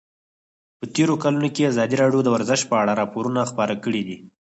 په تېرو کلونو کې ازادي راډیو د ورزش په اړه راپورونه خپاره کړي دي.